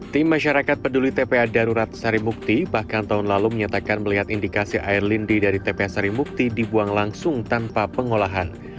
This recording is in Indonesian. tim masyarakat peduli tpa darurat sarimukti bahkan tahun lalu menyatakan melihat indikasi air lindi dari tpa sarimukti dibuang langsung tanpa pengolahan